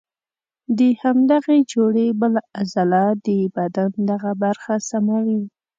د همدغې جوړې بله عضله د بدن دغه برخه سموي.